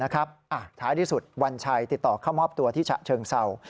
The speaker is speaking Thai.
ท้ายที่สุดวันชัยติดต่อเข้ามอบตัวที่ฉะเชิงเศร้า